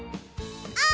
「あ」